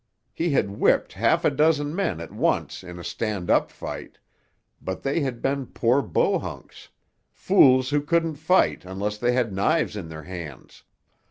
He had whipped half a dozen men at once in a stand up fight, but they had been poor Bohunks, fools who couldn't fight unless they had knives in their hands.